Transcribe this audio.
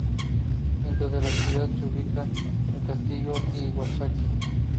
Dentro de la ciudad se ubica el Castillo Iwasaki.